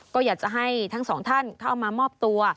ก็อยากจะให้ทั้งสองท่านเข้ามามอบตัว